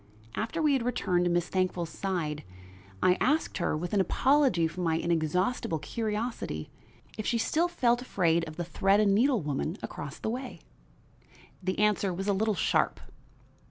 After we had returned to Miss Thankful's side, I asked her, with an apology for my inexhaustible curiosity, if she still felt afraid of the thread and needle woman across the way. The answer was a little sharp.